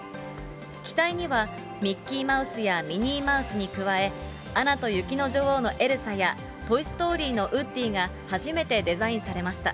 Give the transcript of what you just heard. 機体にはミッキーマウスやミニーマウスに加え、アナと雪の女王のエルサや、トイ・ストーリーのウッディーが初めてデザインされました。